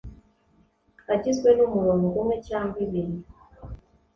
agizwe n’umurongo umwe cyangwa ibiri.